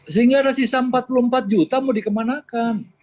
sehingga ada sisa empat puluh empat juta mau dikemanakan